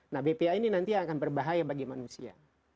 nah bpa ini nanti akan berbahaya bagi manusia